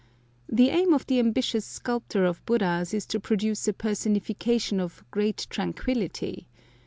The aim of the ambitious sculptor of Buddhas is to produce a personification of "great tranquillity."